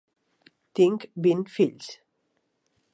Tinc vint fills.